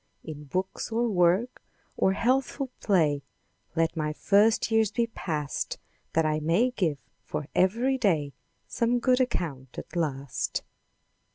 In books, or work, or healthful play, Let my first years be passed. That I may give for ev'ry day Some good account at last.